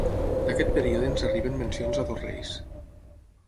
D'aquest període ens arriben mencions a dos reis.